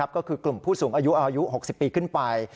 ก็คือกลุ่มผู้สูงอายุอายุ๖๐ปีขึ้นไป